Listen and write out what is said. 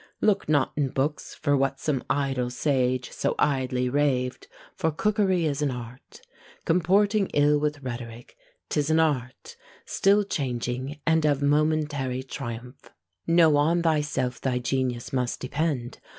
Look not in books for what some idle sage So idly raved; for cookery is an art Comporting ill with rhetoric; 'tis an art Still changing, and of momentary triumph! Know on thyself thy genius must depend.